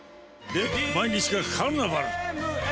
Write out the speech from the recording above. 毎日がカルナバル。